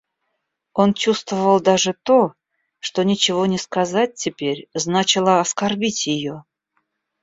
Он чувствовал даже то, что ничего не сказать теперь значило оскорбить ее.